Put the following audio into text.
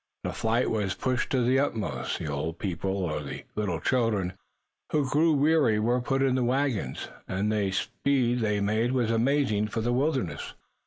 The flight was pushed to the utmost, the old people or the little children who grew weary were put in the wagons, and the speed they made was amazing for the wilderness.